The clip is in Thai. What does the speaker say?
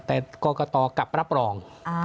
แต่กรกตกลับรับรอง